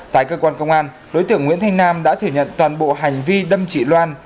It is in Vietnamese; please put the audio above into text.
tại cơ quan công an đối tượng nguyễn thanh nam đã thừa nhận toàn bộ hành vi đâm chị loan